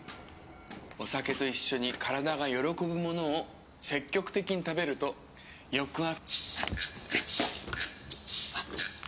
お酒と一緒に体が喜ぶものを積極的に食べよくあ。